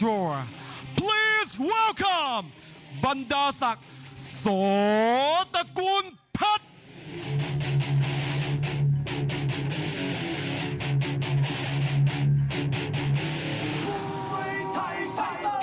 รับทราบบรรดาศักดิ์สวตกุณภัทธ์